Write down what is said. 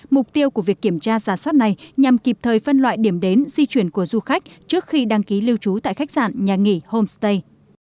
mục tiêu của việc kiểm tra giả soát này nhằm kịp thời phân loại điểm đến di chuyển của du khách trước khi đăng ký lưu trú tại khách sạn nhà nghỉ homestay